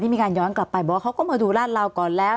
มีการย้อนกลับไปบอกว่าเขาก็มาดูลาดราวก่อนแล้ว